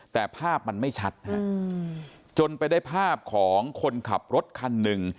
แต่ภาพมันไม่ชัดฮะจนไปได้ภาพของคนขับรถคันหนึ่ง